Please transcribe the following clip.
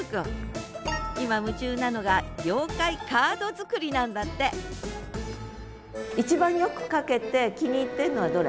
今夢中なのが妖怪カード作りなんだって一番よく描けて気に入ってるのはどれ？